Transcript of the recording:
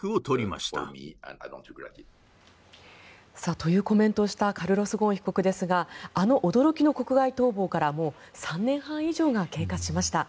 というコメントをしたカルロス・ゴーン被告ですがあの驚きの国外逃亡からもう３年半以上も経過しました。